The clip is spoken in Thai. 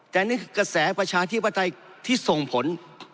แต่นี่คือกระแสประชาธิปไตยที่ส่งผล